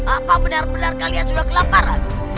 apa benar benar kalian sudah kelaparan